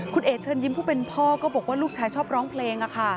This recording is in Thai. คุณเอ๋เชิญยิ้มผู้เป็นพ่อก็บอกว่าลูกชายชอบร้องเพลง